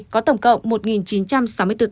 có tổng cộng một chín trăm sáu mươi bốn ca